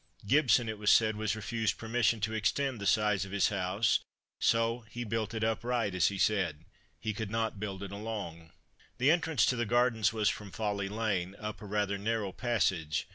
Gibson, it was said, was refused permission to extend the size of his house, so "he built it upright," as he said "he could not build it along." The entrance to the Gardens was from Folly lane, up a rather narrow passage.